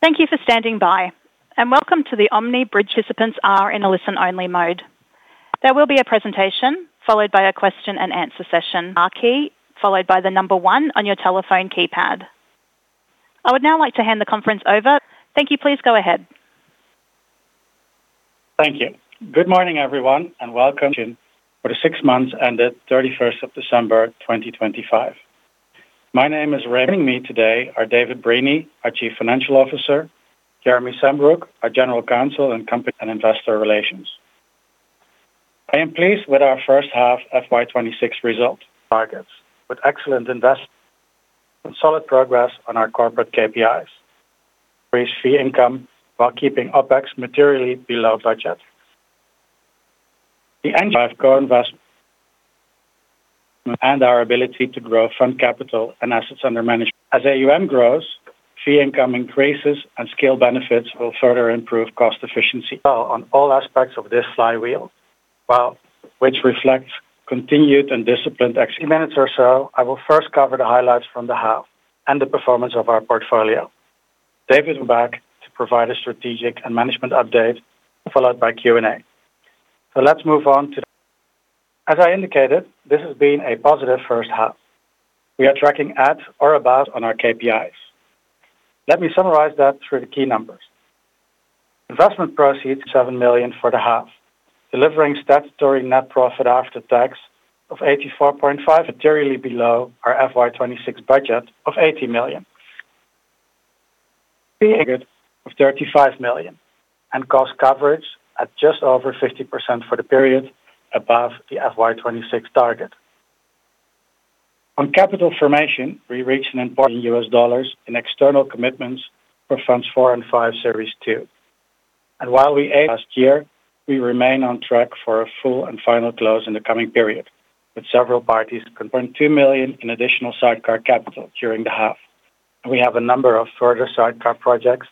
Thank you for standing by, and welcome to the Omni Bridgeway. Participants are in a listen-only mode. There will be a presentation, followed by a question-and-answer session. R key, followed by the one on your telephone keypad. I would now like to hand the conference over. Thank you. Please go ahead. Thank you. Good morning, everyone, welcome for the six months ended 31st of December 2025. My name is Raymond van Hulst. Joining me today are David Breeney, our Chief Financial Officer, Jeremy Sambrook, our General Counsel, and Company and Investor Relations. I am pleased with our first half FY 2026 targets, with excellent investment and solid progress on our corporate KPIs. Raise fee income while keeping OpEx materially below budget. The engine have co-investment and our ability to grow fund capital and assets under management. As AUM grows, fee income increases, and scale benefits will further improve cost efficiency. Well, on all aspects of this flywheel, which reflects continued and disciplined action. I will first cover the highlights from the half and the performance of our portfolio. David will be back to provide a strategic and management update, followed by Q&A. Let's move on to. As I indicated, this has been a positive first half. We are tracking at or about on our KPIs. Let me summarize that through the key numbers. Investment proceeds, 7 million for the half, delivering statutory NPAT of 84.5, materially below our FY 2026 budget of 80 million. Of 35 million, and cost coverage at just over 50% for the period above the FY 2026 target. On capital formation, we reached an important US dollars in external commitments for Funds four and five, Series 2. While last year, we remain on track for a full and final close in the coming period, with several parties confirm 2 million in additional sidecar capital during the half. We have a number of further sidecar projects.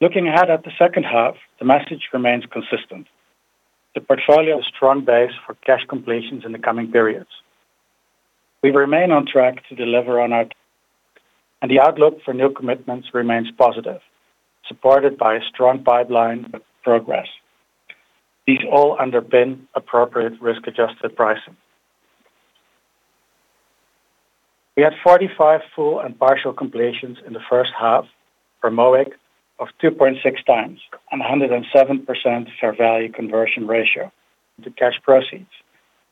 Looking ahead at the second half, the message remains consistent. The portfolio is a strong base for cash completions in the coming periods. We remain on track to deliver on our. The outlook for new commitments remains positive, supported by a strong pipeline of progress. These all underpin appropriate risk-adjusted pricing. We had 45 full and partial completions in the first half, for MOIC of 2.6 times, and 107% fair value conversion ratio to cash proceeds,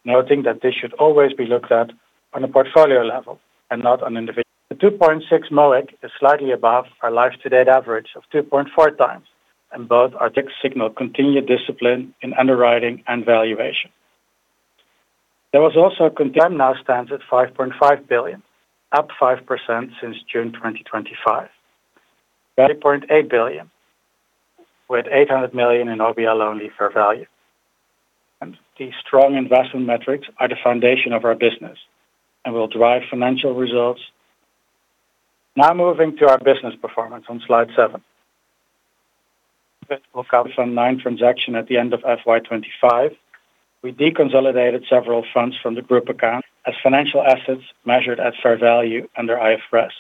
noting that this should always be looked at on a portfolio level and not on individual. The 2.6 MOIC is slightly above our life-to-date average of 2.4 times, and both our tech signal continued discipline in underwriting and valuation. There was also a commitments now stands at 5.5 billion, up 5% since June 2025. 3.8 billion, with 800 million in OBL only fair value. These strong investment metrics are the foundation of our business and will drive financial results. Moving to our business performance on slide 7. We'll cover some 9 transaction at the end of FY 2025. We deconsolidated several funds from the group account as financial assets measured at fair value under IFRS.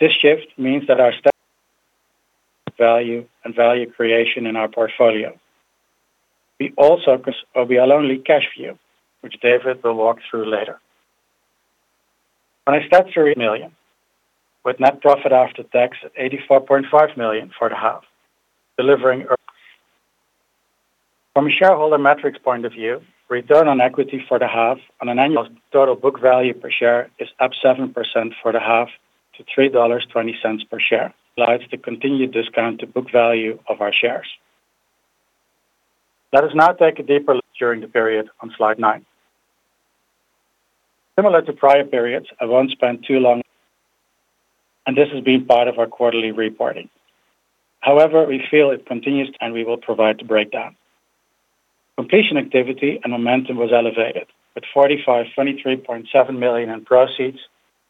This shift means that our stock value and value creation in our portfolio. We also OBL only cash view, which David will walk through later. With net profit after tax at 84.5 million for the half, delivering. From a shareholder metrics point of view, return on equity for the half on an annual total book value per share is up 7% for the half to 3.20 dollars per share, allows to continue discount to book value of our shares. Let us now take a deeper look during the period on Slide 9. Similar to prior periods, I won't spend too long, and this has been part of our quarterly reporting. We feel it continues, and we will provide the breakdown. Completion activity and momentum was elevated, with 45, 23.7 million in proceeds,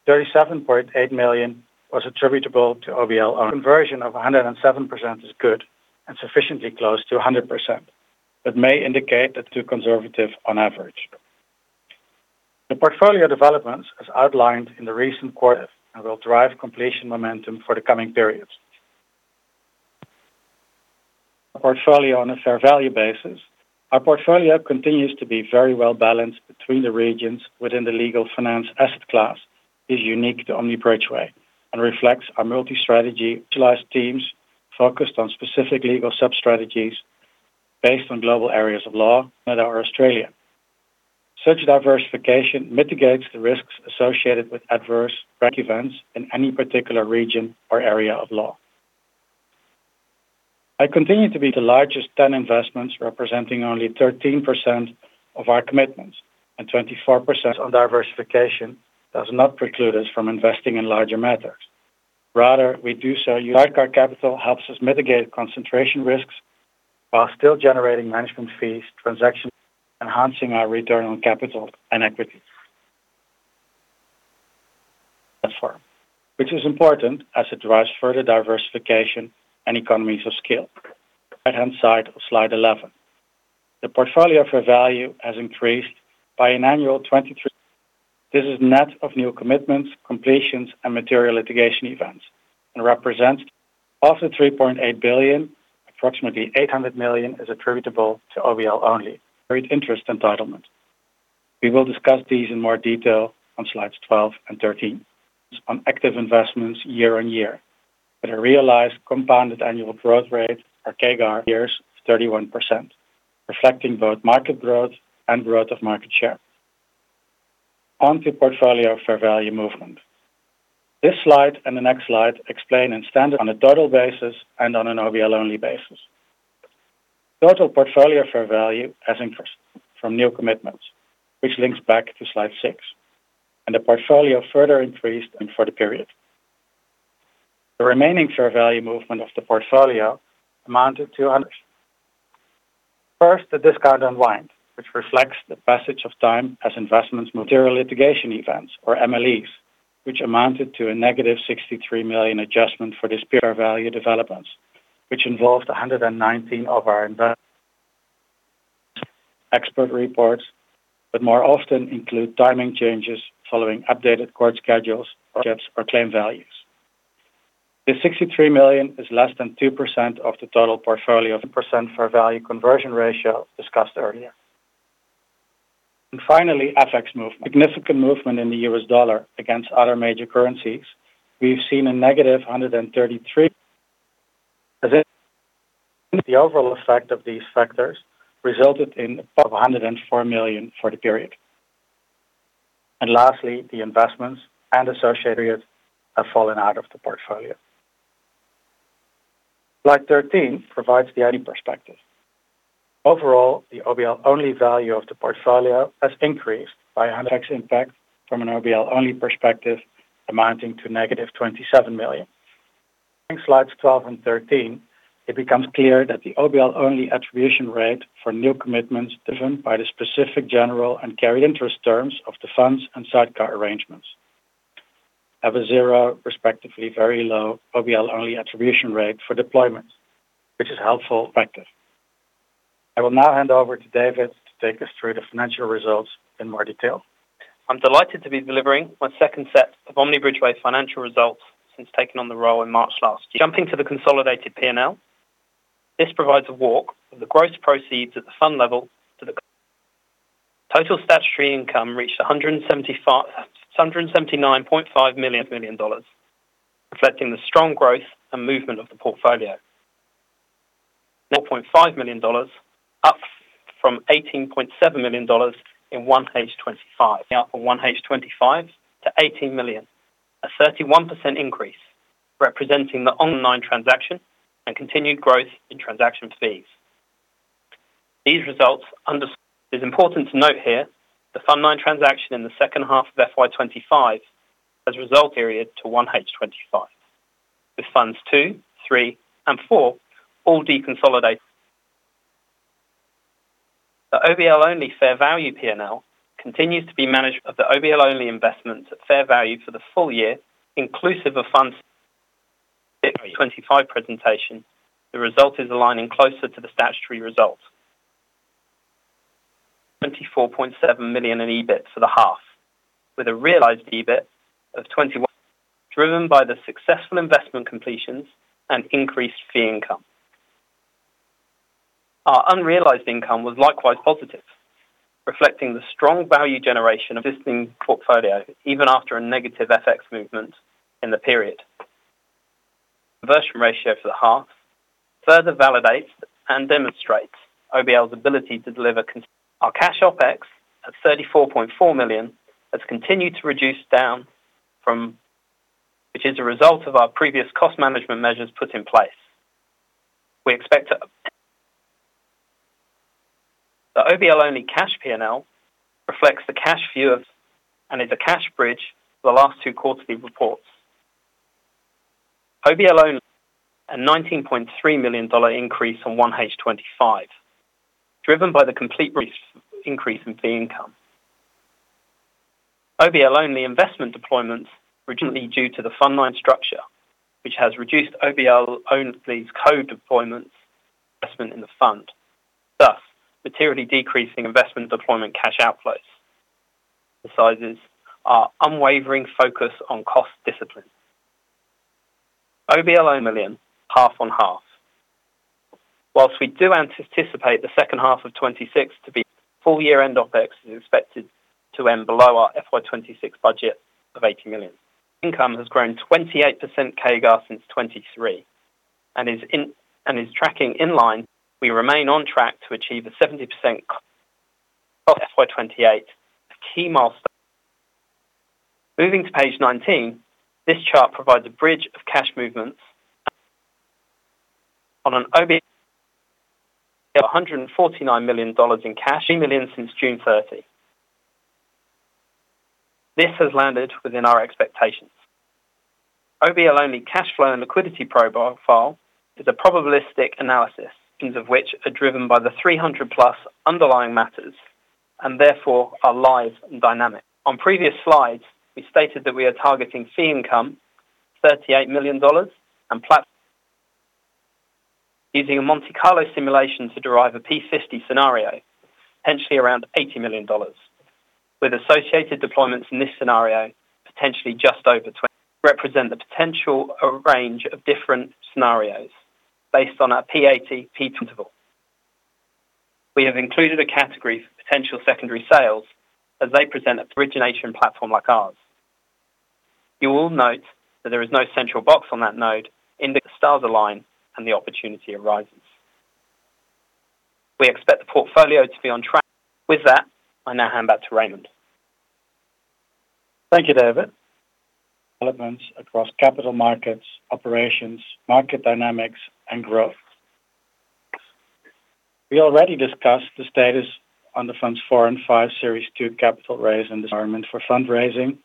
37.8 million was attributable to OBL. Conversion of 107% is good and sufficiently close to 100%, may indicate that too conservative on average. The portfolio developments, as outlined in the recent quarter, and will drive completion momentum for the coming periods. Portfolio on a fair value basis. Our portfolio continues to be very well balanced between the regions within the legal finance asset class, unique to Omni Bridgeway, and reflects our multi-strategy, specialized teams focused on specific legal sub-strategies based on global areas of law. Such diversification mitigates the risks associated with adverse events in any particular region or area of law. I continue to be the largest 10 investments, representing only 13% of our commitments, and 24%. On diversification does not preclude us from investing in larger matters. Rather, we do so. Sidecar Capital helps us mitigate concentration risks while still generating management fees, enhancing our return on capital and equity. Which is important, as it drives further diversification and economies of skill. Right-hand side, slide 11. The portfolio fair value has increased by an annual 23%. This is net of new commitments, completions, and material litigation events, and represents of the 3.8 billion, approximately 800 million is attributable to OBL only, carried interest entitlement. We will discuss these in more detail on slides 12 and 13. On active investments year-on-year, a realized compounded annual growth rate or CAGR years of 31%, reflecting both market growth and growth of market share. On to portfolio fair value movement. This slide and the next slide explain and standard on a total basis and on an OBL-only basis. Total portfolio fair value has increased from new commitments, which links back to slide 6, and the portfolio further increased, and for the period. The remaining fair value movement of the portfolio amounted to under. First, the discount unwind, which reflects the passage of time as investments material litigation events, or MLEs, which amounted to a negative 63 million adjustment for this fair value developments, which involved 119 of our invest- expert reports, but more often include timing changes following updated court schedules or ships or claim values. The 63 million is less than 2% of the total portfolio, 2% fair value conversion ratio discussed earlier. Finally, FX movement. Significant movement in the US dollar against other major currencies. We've seen a negative 133 million. The overall effect of these factors resulted in 104 million for the period. Lastly, the investments and associated periods have fallen out of the portfolio. Slide 13 provides the only perspective. Overall, the OBL-only value of the portfolio has increased by a 100x impact from an OBL-only perspective, amounting to -27 million. In slides 12 and 13, it becomes clear that the OBL-only attribution rate for new commitments driven by the specific general and carry interest terms of the funds and sidecar arrangements, have a 0, respectively, very low OBL-only attribution rate for deployments, which is helpful effective. I will now hand over to David to take us through the financial results in more detail. I'm delighted to be delivering my second set of Omni Bridgeway financial results since taking on the role in March last year. Jumping to the consolidated P&L, this provides a walk of the gross proceeds at the fund level. Total statutory income reached 179.5 million dollars, reflecting the strong growth and movement of the portfolio. 4.5 million dollars, up from 18.7 million dollars in 1H 2025. From 1H 2025 to 18 million, a 31% increase, representing the online transaction and continued growth in transaction fees. It is important to note here, the Fund 9 transaction in the second half of FY 2025 as a result period to 1H 2025, with Funds 2, 3, and 4 all deconsolidated. The OBL-only fair value P&L continues to be managed of the OBL-only investments at fair value for the full year, inclusive of funds 25 presentation, the result is aligning closer to the statutory results. 24.7 million in EBIT for the half, with a realized EBIT of 21 million, driven by the successful investment completions and increased fee income. Our unrealized income was likewise positive, reflecting the strong value generation of this portfolio, even after a negative FX movement in the period. Conversion ratio for the half further validates and demonstrates OBL's ability to deliver. Our cash OpEx, at 34.4 million, has continued to reduce down from, which is a result of our previous cost management measures put in place. The OBL-only cash P&L reflects the cash view of, and is a cash bridge for the last two quarterly reports. OBL-only, an AUD 19.3 million increase from 1H 2025, driven by the complete increase in fee income. OBL-only investment deployments, originally due to the fund line structure, which has reduced OBL-owned fees, code deployments, investment in the fund, thus materially decreasing investment deployment cash outflows. Our unwavering focus on cost discipline. OBL, 1 million, half on half. While we do anticipate the second half of 2026 to be full year end, OpEx is expected to end below our FY 2026 budget of 80 million. Income has grown 28% CAGR since 2023 and is tracking in line. We remain on track to achieve a 70% of FY 2028, a key milestone. Moving to page 19, this chart provides a bridge of cash movements. On an OBL, AUD 149 million in cash, AUD 3 million since June 30. This has landed within our expectations. OBL-only cash flow and liquidity profile is a probabilistic analysis, things of which are driven by the 300+ underlying matters. Therefore are live and dynamic. On previous slides, we stated that we are targeting fee income, 38 million dollars, and platform using a Monte Carlo simulation to derive a P50 scenario, potentially around 80 million dollars, with associated deployments in this scenario, potentially just over 20. Represent the potential, a range of different scenarios based on our PATP interval. We have included a category for potential secondary sales as they present at the origination platform like ours. You will note that there is no central box on that node in the stars align and the opportunity arises. We expect the portfolio to be on track. With that, I now hand back to Raymond. Thank you, David. Developments across capital markets, operations, market dynamics, and growth. We already discussed the status on the Fund 4 and Fund 5, Series 2 capital raise and environment for fundraising.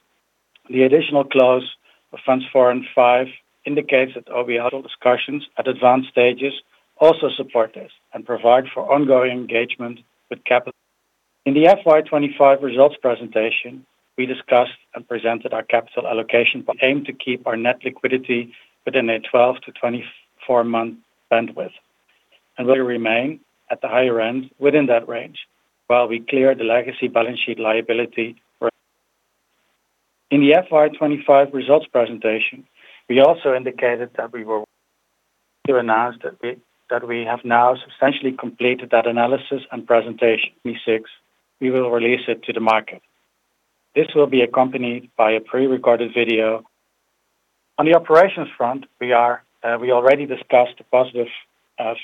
The additional clause of Fund 4 and Fund 5 indicates that OBL discussions at advanced stages also support this and provide for ongoing engagement with capital. In the FY 2025 results presentation, we discussed and presented our capital allocation. We aim to keep our net liquidity within a 12-24 month bandwidth, and we remain at the higher end within that range while we clear the legacy balance sheet liability. In the FY 2025 results presentation, we also indicated that we were to announce that we have now substantially completed that analysis and presentation. Fund 6, we will release it to the market. This will be accompanied by a pre-recorded video. On the operations front, we are, we already discussed the positive,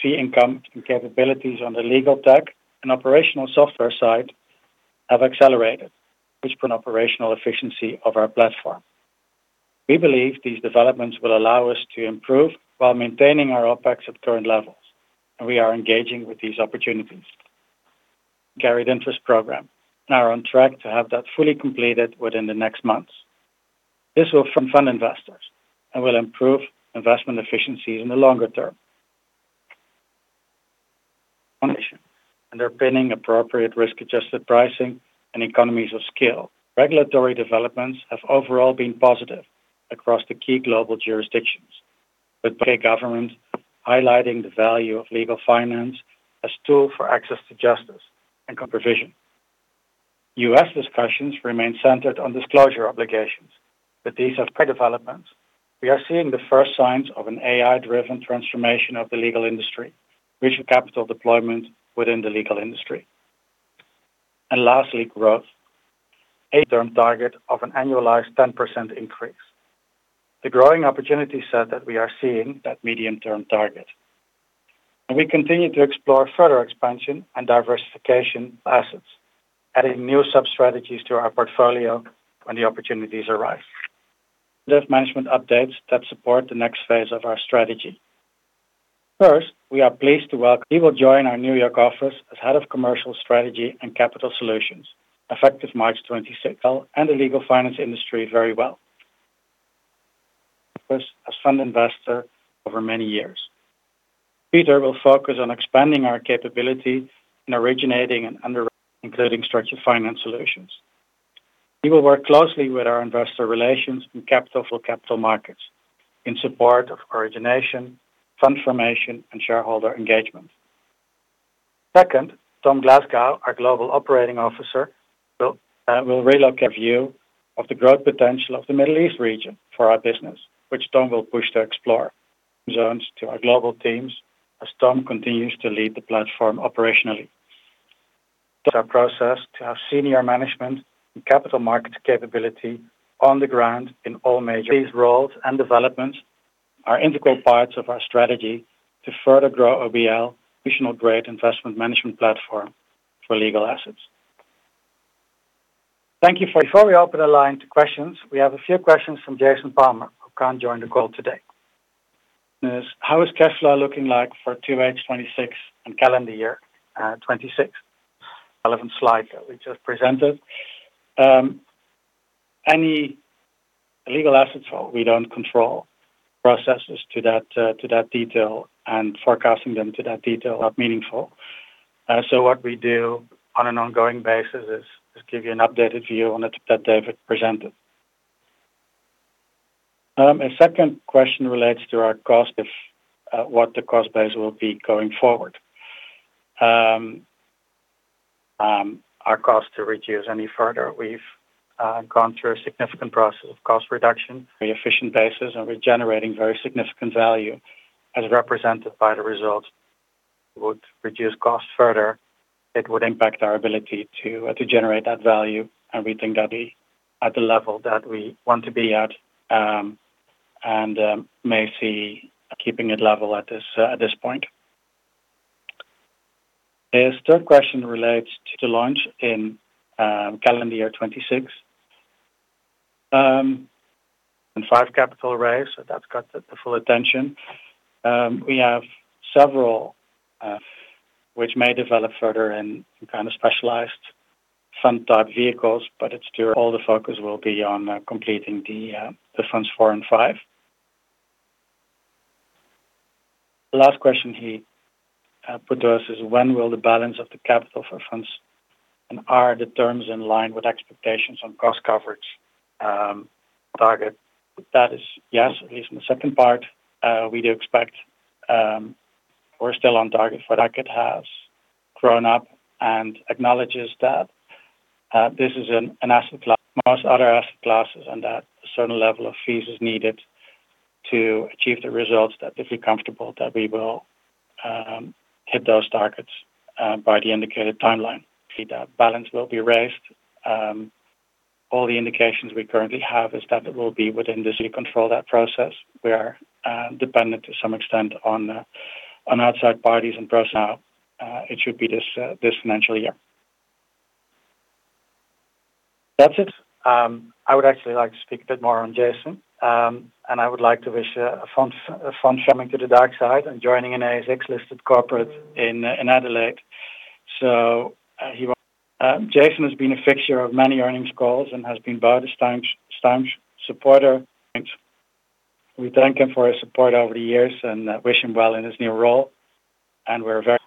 fee income and capabilities on the legal tech and operational software side have accelerated, which put operational efficiency of our platform. We believe these developments will allow us to improve while maintaining our OpEx at current levels, and we are engaging with these opportunities. Carried interest program, and are on track to have that fully completed within the next months. This will from fund investors and will improve investment efficiencies in the longer term. Foundation, underpinning appropriate risk-adjusted pricing and economies of scale. Regulatory developments have overall been positive across the key global jurisdictions, with government highlighting the value of legal finance as tool for access to justice and provision. U.S. discussions remain centered on disclosure obligations, but these are developments. We are seeing the first signs of an AI-driven transformation of the legal industry, which of capital deployment within the legal industry. Lastly, growth. A term target of an annualized 10% increase. The growing opportunity set that we are seeing that medium-term target. We continue to explore further expansion and diversification of assets, adding new sub-strategies to our portfolio when the opportunities arise. There's management updates that support the next phase of our strategy. First, we are pleased to welcome... He will join our New York office as Head of Commercial Strategy and Capital Solutions, effective March 26th, and the legal finance industry very well. As fund investor over many years. Peter will focus on expanding our capability in originating and underwriting, including structured finance solutions. He will work closely with our investor relations and capital for capital markets in support of origination, fund formation, and shareholder engagement. Second, Tom Glasgow, our Global Operating Officer, will will relocate view of the growth potential of the Middle East region for our business, which Tom will push to explore zones to our global teams as Tom continues to lead the platform operationally. Our process to have senior management and capital markets capability on the ground in all major. These roles and developments are integral parts of our strategy to further grow OBL, additional great investment management platform for legal assets. Thank you. Before we open the line to questions, we have a few questions from Jason Palmer, who can't join the call today. Is, how is cash flow looking like for 2H 2026 and calendar year 2026? Relevant slide that we just presented. Any legal assets, well, we don't control processes to that, to that detail and forecasting them to that detail are meaningful. What we do on an ongoing basis is, just give you an updated view on it that David presented. A second question relates to our cost of, what the cost base will be going forward. Our cost to reduce any further. We've gone through a significant process of cost reduction, very efficient basis, and we're generating very significant value as represented by the results, would reduce costs further. It would impact our ability to generate that value, and we think that be at the level that we want to be at, and may see keeping it level at this, at this point. A third question relates to the launch in, calendar year 2026. Five capital raise, that's got the full attention. We have several, which may develop further in some kind of specialized fund type vehicles, it's still all the focus will be on completing the Funds 4 and 5. The last question he put to us is when will the balance of the capital for funds, are the terms in line with expectations on cost coverage target? Yes, at least in the second part, we do expect, we're still on target for that. It has grown up and acknowledges that this is an asset class, most other asset classes, and that a certain level of fees is needed to achieve the results, that they feel comfortable that we will hit those targets by the indicated timeline. That balance will be raised. All the indications we currently have is that it will be within the control of that process. We are dependent to some extent on on outside parties and personnel. It should be this this financial year. That's it. I would actually like to speak a bit more on Jason. I would like to wish Fund coming to the dark side and joining an ASX-listed corporate in in Adelaide. Jason has been a fixture of many earnings calls and has been Baade's time, staunch supporter. We thank him for his support over the years and wish him well in his new role, and we're very...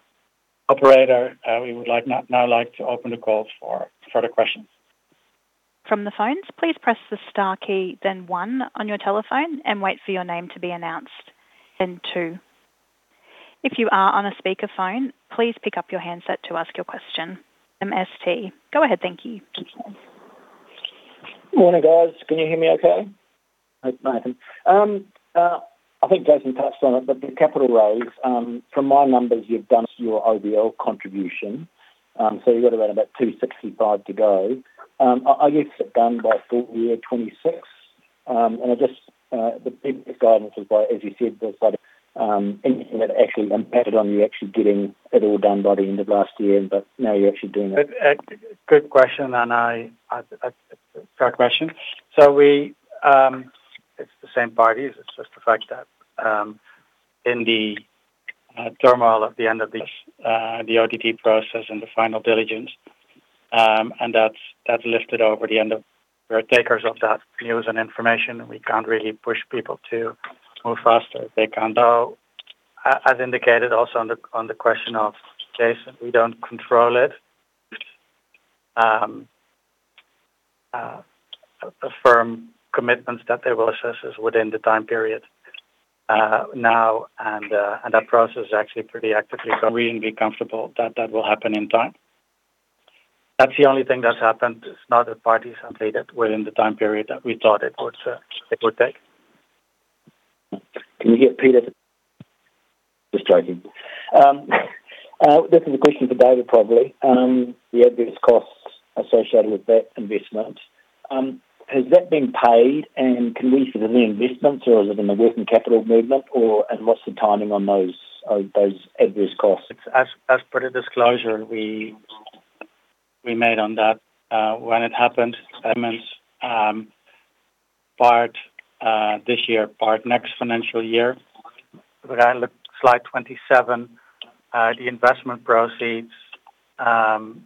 Operator, we would now like to open the call for further questions. From the phones, please press the star key, then one on your telephone and wait for your name to be announced. Then two. If you are on a speakerphone, please pick up your handset to ask your question. MST Marquee, go ahead. Thank you. Morning, guys. Can you hear me okay? Nathan. I think Jason touched on it, the capital raise, from my numbers, you've done your OBL contribution. You've got around about 265 million to go. I guess done by full year 2026. I just, the previous guidance is by, as you said, was by, anything that actually impacted on you actually getting it all done by the end of last year, now you're actually doing it. Good question, and a fair question. We, it's the same parties. It's just the fact that, in the terminal at the end of this, the ODP process and the final diligence, and that's lifted over the end of... We are takers of that news and information, and we can't really push people to move faster if they can't. As indicated also on the question of Jason, we don't control it. The firm commitments that they will assess is within the time period now, and that process is actually pretty actively. We can be comfortable that that will happen in time. That's the only thing that's happened is not that parties have said that within the time period that we thought it would, it would take. Can you hear David? Just joking. This is a question for David, probably. The adverse costs associated with that investment, has that been paid, and can we see the new investments, or is it in the working capital movement, or what's the timing on those adverse costs? As per the disclosure we made on that, when it happened, payments, part this year, part next financial year. I look at slide 27, the investment proceeds on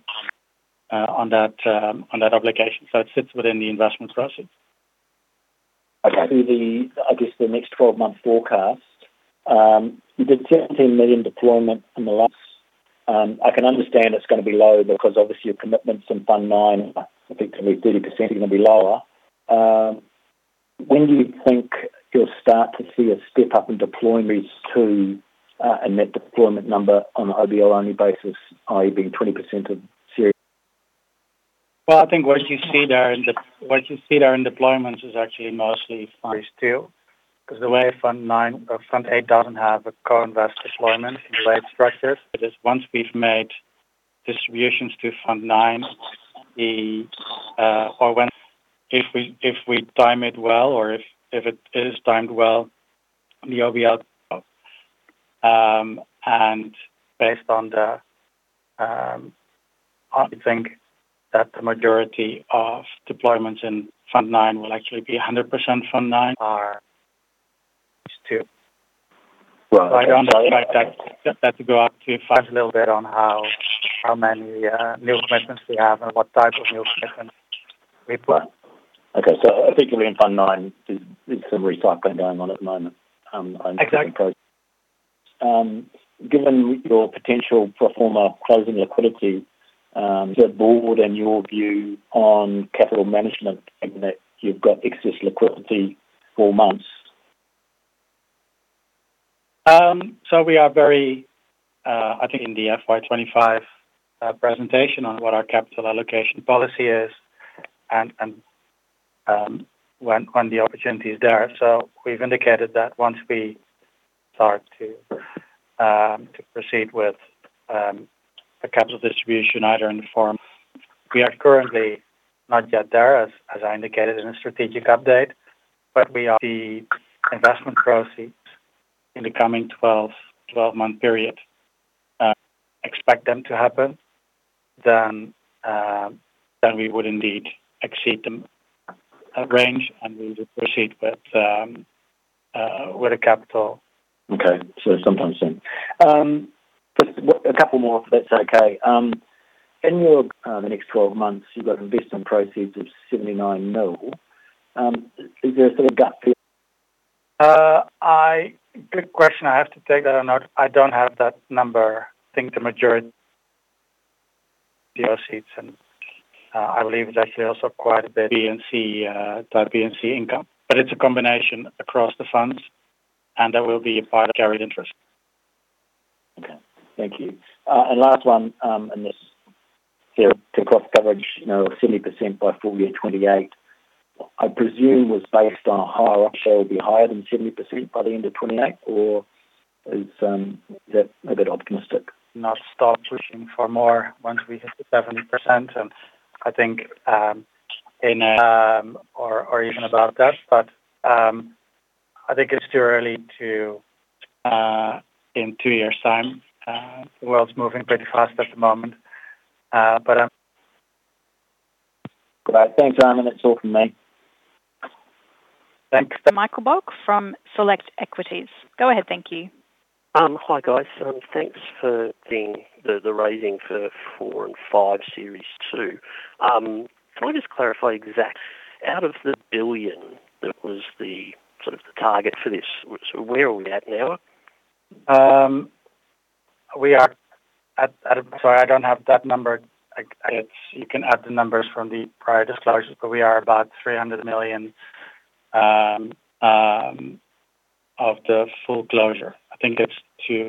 that, on that obligation, so it sits within the investment process. Okay. Through the, I guess, the next 12-month forecast, you did 17 million deployment in the last. I can understand it's going to be low because obviously your commitments in Fund 9, I think, going to be 30%, going to be lower. When do you think you'll start to see a step-up in deployments to, and that deployment number on an OBL-only basis, i.e., being 20% of series? Well, I think what you see there in deployments is actually mostly fine still, because the way Fund 9 or Fund 8 doesn't have a co-invest deployment in the right structures. It is once we've made distributions to Fund 9, the. Or when if we, if we time it well, or if it is timed well, the OBL. Based on the, I think that the majority of deployments in Fund 9 will actually be 100% Fund 9 are 2.I don't expect that to go up to five, a little bit on how many new commitments we have and what type of new commitments we put. Okay. I think you'll be in Fund 9. There's some recycling going on at the moment. Exactly. Given your potential pro forma closing liquidity, is that board and your view on capital management, given that you've got excess liquidity for months? We are very, I think in the FY 2025 presentation on what our capital allocation policy is and, when the opportunity is there. We've indicated that once we start to proceed with the capital distribution, either in the form, we are currently not yet there, as I indicated in the strategic update, but we are the investment proceeds in the coming 12-month period. Expect them to happen, then we would indeed exceed the range, and we would proceed with the capital. Okay. Sometime soon. Just a couple more, if that's okay. In your, the next 12 months, you've got investment proceeds of 79 million. Is there a sort of gap here? Good question. I have to take that or not. I don't have that number. I think the majority of seats. I believe it's actually also quite a bit NNC, type NNC income. It's a combination across the funds. That will be a part of carried interest. Okay. Thank you. Last one, in this cost coverage, you know, 70% by full year 2028, I presume was based on a higher upshare will be higher than 70% by the end of 2028, or is that a bit optimistic? Not stop pushing for more once we hit the 70%. I think, in, or even about that, but, I think it's too early to, in 2 years' time, the world's moving pretty fast at the moment, but I'm. All right. Thanks, Raymond. That's all from me. Thanks. Michael Boks from Select Equities. Go ahead, thank you. Hi, guys. Thanks for the raising for 4 and 5 Series 2. Can I just clarify exact, out of the $1 billion, that was the sort of the target for this, so where are we at now? We are at... Sorry, I don't have that number. I guess you can add the numbers from the prior disclosures, but we are about 300 million of the full closure. I think it's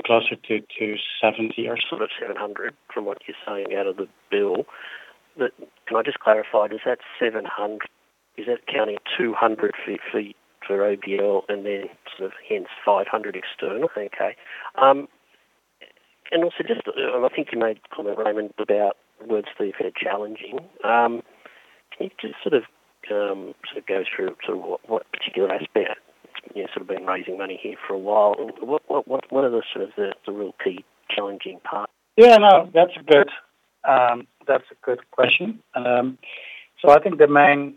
closer to 70 million or- Sort of 700, from what you're saying, out of the bill. Can I just clarify, does that 700, is that counting 200 for OBL and then sort of hence 500 external? Okay. And also just, I think you made a comment, Raymond, about words that are fair challenging. Can you just sort of go through what particular aspect, you know, been raising money here for a while. What are the sort of the real key challenging part? Yeah, no, that's a good, that's a good question. I think the main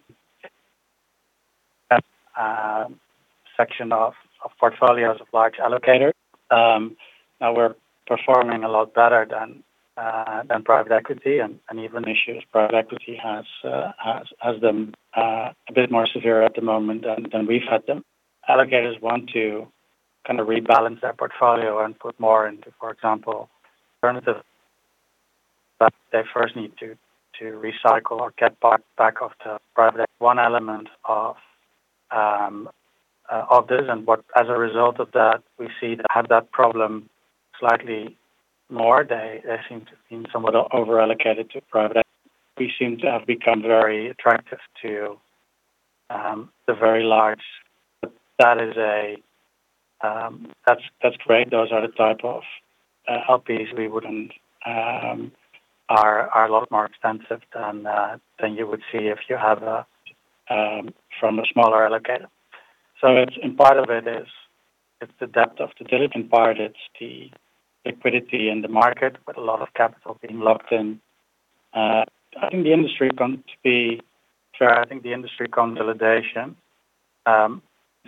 section of portfolios of large allocators, now we're performing a lot better than private equity, and even issues. Private equity has been a bit more severe at the moment than we've had them. Allocators want to kind of rebalance their portfolio and put more into, for example, alternative, but they first need to recycle or get back off to private. One element of this, as a result of that, we see that have that problem slightly more. They seem to been somewhat overallocated to private. We seem to have become very attractive to the very large. That is a, that's great. Those are the type of LPs we wouldn't, are a lot more expensive than you would see if you have a from a smaller allocator. Part of it is, it's the depth of the diligence part, it's the liquidity in the market with a lot of capital being locked in. I think the industry comes to be. I think the industry consolidation to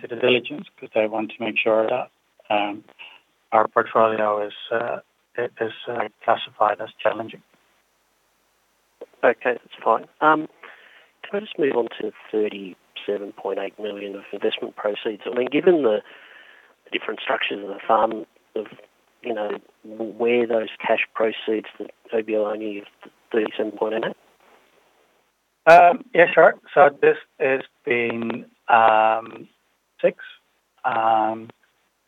the diligence, because they want to make sure that our portfolio is classified as challenging. Okay, that's fine. Can I just move on to 37.8 million of investment proceeds? I mean, given the different structures of the farm, you know, where those cash proceeds, that OBL only is AUD 37.8 million? This is in 6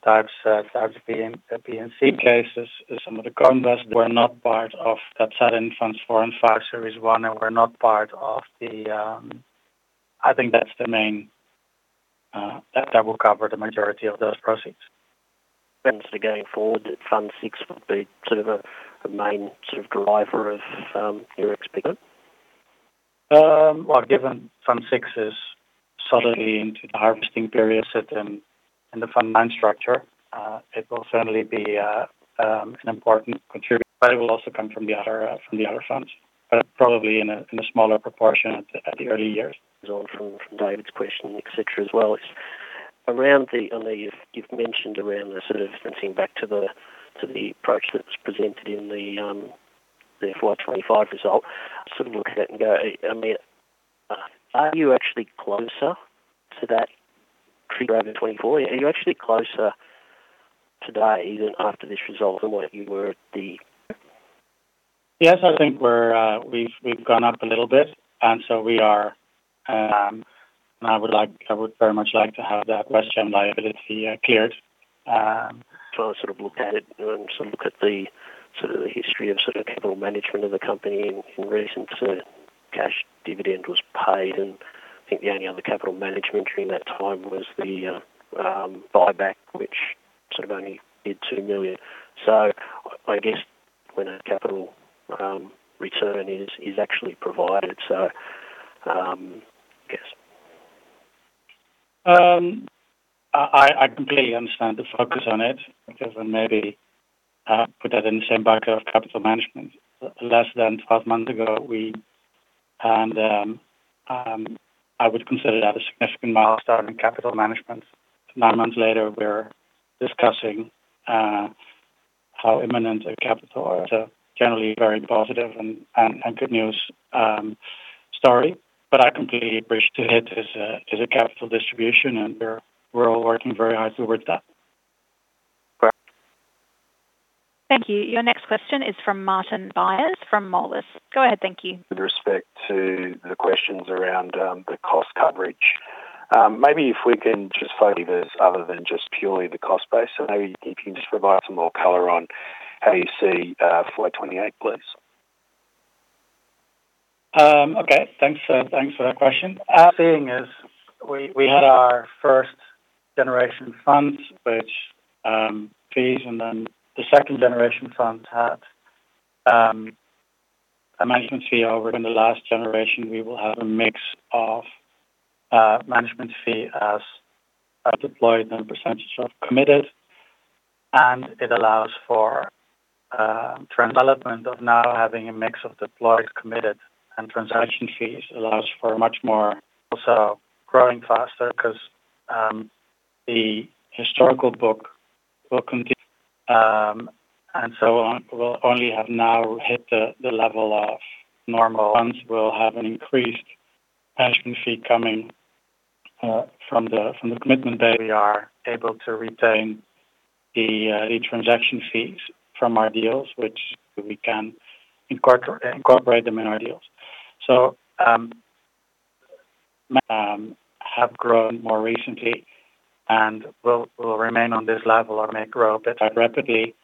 types of BNC cases. Some of the converse were not part of that set in Fund 4 and Fund 5, Series 1, and were not part of the... I think that's the main, that will cover the majority of those proceeds. Thanks. Going forward, Fund 6 will be the main sort of driver of your expected? Well, given Fund 6 is subtly into the harvesting periods at in the Fund 9 structure, it will certainly be an important contributor. It will also come from the other funds, but probably in a smaller proportion at the early years. From David's question, etc., as well. Around the, I know you've mentioned around the sort of referencing back to the, to the approach that was presented in the FY 2025 result. Sort of look at it and go, I mean, are you actually closer to that trigger in 2024? Are you actually closer today even after this result than what you were? I think we've gone up a little bit, and so we are, and I would very much like to have that question liability cleared. I sort of look at it and sort of look at the sort of the history of sort of capital management of the company in recent. Cash dividend was paid, and I think the only other capital management during that time was the buyback, which sort of only did 2 million. I guess when a capital return is actually provided. Yes. I completely understand the focus on it because when maybe, put that in the same bucket of capital management. Less than 12 months ago, I would consider that a significant milestone in capital management. Nine months later, we're discussing, how imminent a capital are. Generally very positive and good news story, but I completely bridge to it as a, as a capital distribution, and we're all working very hard towards that. Thank you. Your next question is from Martin Byers from Moelis. Go ahead, thank you. With respect to the questions around, the cost coverage, maybe if we can just focus other than just purely the cost base. Maybe if you can just provide some more color on how you see, 428, please. Okay, thanks for that question. Seeing as we had our first generation funds, which fees, then the second generation funds had a management fee over. In the last generation, we will have a mix of management fee as deployed and percentage of committed. It allows for development of now having a mix of deployed, committed, and transaction fees allows for much more also growing faster because the historical book will continue and so on. We'll only have now hit the level of normal funds will have an increased management fee coming from the commitment day. We are able to retain the transaction fees from our deals, which we can incorporate them in our deals. have grown more recently and will remain on this level or may grow a bit more rapidly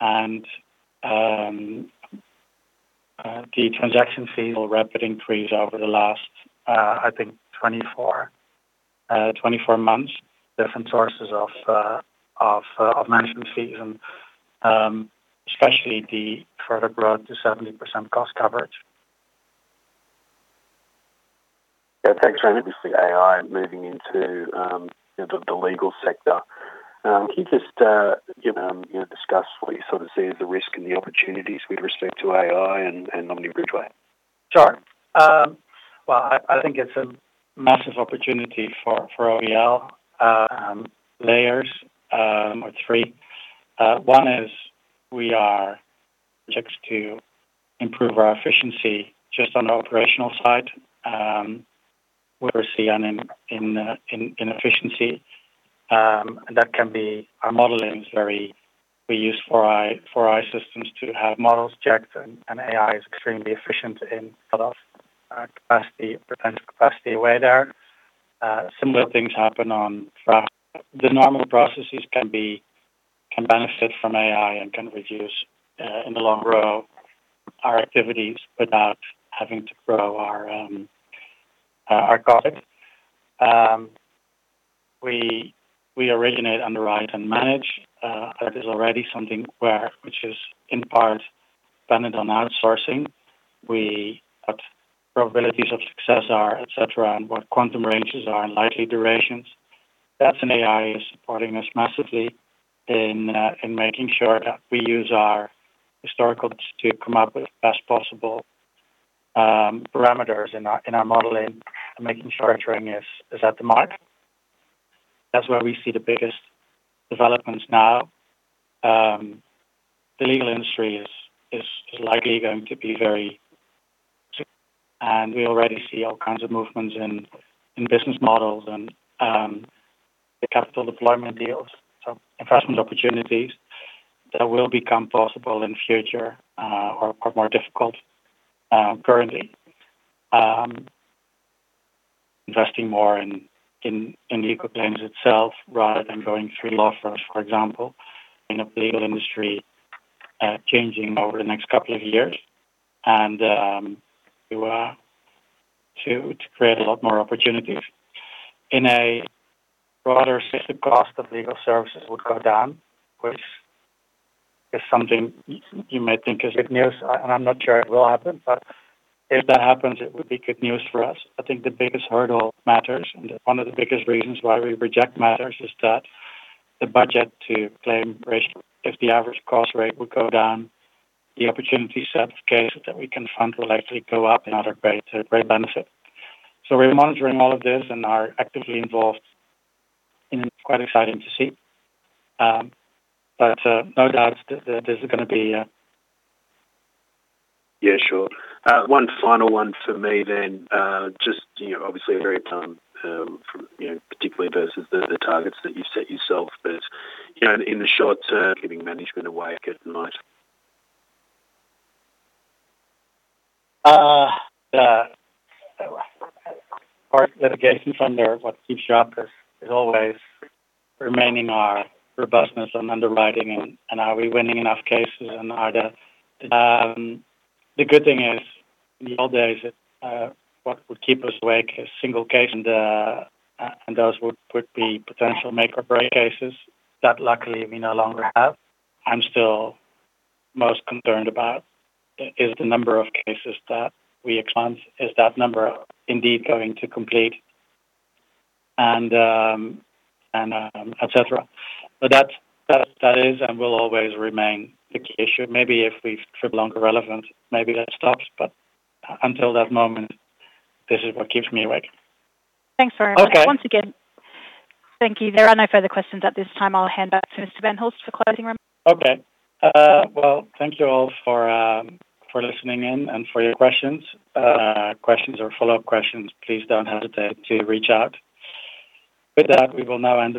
and the transaction fee will rapid increase over the last, I think 24 months. Different sources of management fees and especially the further broad to 70% cost coverage. Thanks very much. With AI moving into, you know, the legal sector, can you just, you know, discuss what you sort of see as the risk and the opportunities with respect to AI and Omni Bridgeway? Sure. Well, I think it's a massive opportunity for OBL, layers, or three. One is we are projects to improve our efficiency just on the operational side, where we see an in efficiency, and that can be our modeling is very. We use four eye systems to have models checked. AI is extremely efficient in a lot of capacity, potential capacity where there are. Similar things happen on track. The normal processes can benefit from AI and can reduce in the long run our activities without having to grow our costs. We originate, underwrite, and manage. That is already something where, which is in part dependent on outsourcing. We, what probabilities of success are, et cetera, and what quantum ranges are and likely durations. That's an AI is supporting us massively in making sure that we use our historical to come up with the best possible parameters in our, in our modeling and making sure our training is at the mark. That's where we see the biggest developments now. The legal industry is likely going to be very... we already see all kinds of movements in business models and the capital deployment deals. Investment opportunities that will become possible in future are more difficult currently. investing more in the legal claims itself rather than going through law firms, for example, in the legal industry, changing over the next couple of years, to create a lot more opportunities. In a broader sense, the cost of legal services would go down, which is something you may think is good news. I'm not sure it will happen, but if that happens, it would be good news for us. I think the biggest hurdle matters, and one of the biggest reasons why we reject matters is that the budget to claim risk, if the average cost rate would go down, the opportunity set of cases that we can fund will actually go up another great benefit. We're monitoring all of this and are actively involved, and it's quite exciting to see. No doubt that this is gonna be. Sure. One final one for me then. Just, you know, obviously very, you know, particularly versus the targets that you set yourself, but, you know, in the short term, keeping management awake at night? The part of litigation funder, what keeps you up is always remaining our robustness on underwriting and are we winning enough cases and are the... The good thing is, in the old days, what would keep us awake is single case, and those would be potential make or break cases that luckily we no longer have. I'm still most concerned about is the number of cases that we acclaim. Is that number indeed going to complete? Et cetera. That is and will always remain the key issue. Maybe if we trip longer relevant, maybe that stops, until that moment, this is what keeps me awake. Thanks very much. Okay. Once again, thank you. There are no further questions at this time. I'll hand back to Mr. van Hulst for closing remarks. Okay. well, thank you all for listening in and for your questions. Questions or follow-up questions, please don't hesitate to reach out. With that, we will now end.